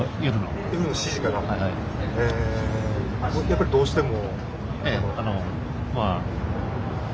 やっぱりどうしても？